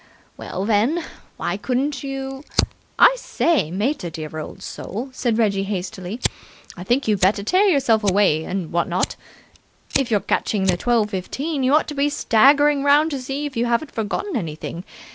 Well, then, why couldn't you ?" "I say, mater, dear old soul," said Reggie hastily, "I think you'd better tear yourself away and what not. If you're catching the twelve fifteen, you ought to be staggering round to see you haven't forgotten anything.